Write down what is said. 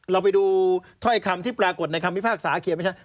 เราไปดูถ้อยคำที่ปรากฏในคำพิพากษาเขียนไม่ใช่